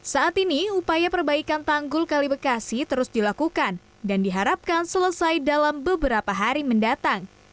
saat ini upaya perbaikan tanggul kali bekasi terus dilakukan dan diharapkan selesai dalam beberapa hari mendatang